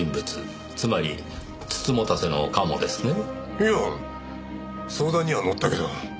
いや相談には乗ったけど。